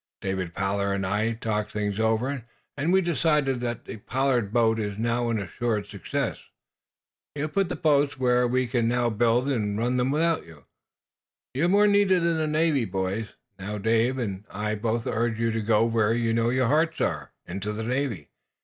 Dave Pollard and I talked this thing over, and we decided that the Pollard boat is now an assured success. You have put the boats where we can now build and run them without you. You are more needed in the Navy. Now, Dave and I both urge you to go where we know your hearts are into the Navy.